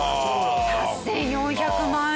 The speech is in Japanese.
８４００万円。